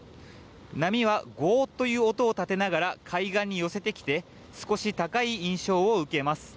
波はゴーッという音を立てながら海岸に寄せてきて少し高い印象を受けます。